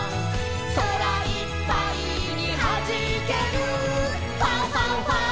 「そらいっぱいにはじける」「ファンファンファン！